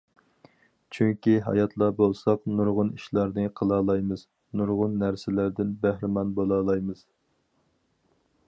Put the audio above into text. چۈنكى، ھاياتلا بولساق نۇرغۇن ئىشلارنى قىلالايمىز، نۇرغۇن نەرسىلەردىن بەھرىمەن بولالايمىز.